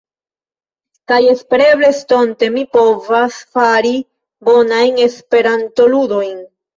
Kaj espereble estonte mi povas fari bonajn Esperantoludojn.